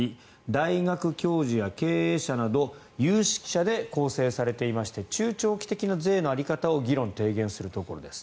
大学教授や経営者など有識者で構成されていまして中長期的な税の在り方を議論、提言するところです。